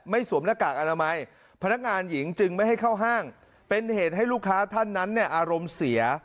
สวมหน้ากากอนามัยพนักงานหญิงจึงไม่ให้เข้าห้างเป็นเหตุให้ลูกค้าท่านนั้นเนี่ยอารมณ์เสีย